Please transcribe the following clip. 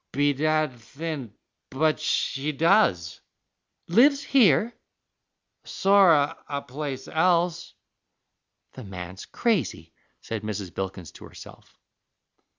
"Bedad, thin, but she does." "Lives here?" "Sorra a place else." "The man's crazy," said Mrs. Bilkins to herself.